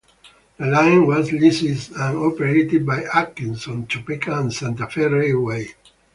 The line was leased and operated by the Atchison, Topeka and Santa Fe Railway.